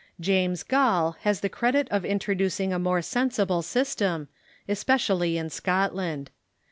James Gall has the credit of introducing a more sensible system, especially in Scotland.